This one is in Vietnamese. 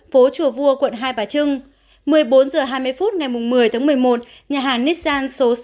phố chùa vua quận hai bà trưng một mươi bốn h hai mươi phút ngày một mươi tháng một mươi một nhà hàng nissan số sáu